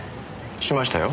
しましたよ。